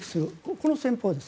この戦法です。